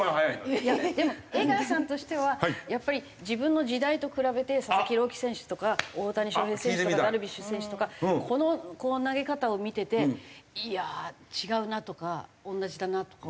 でも江川さんとしてはやっぱり自分の時代と比べて佐々木朗希選手とか大谷翔平選手とかダルビッシュ選手とかこのこう投げ方を見てていやあ違うなとか同じだなとか思うところ。